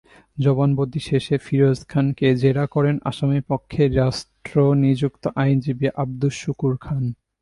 জবানবন্দি শেষে ফিরোজ খানকে জেরা করেন আসামিপক্ষে রাষ্ট্রনিযুক্ত আইনজীবী আবদুস শুকুর খান।